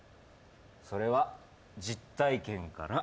それは実体験から。